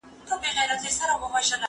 زه کولای سم کتابتون ته راشم،